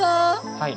はい。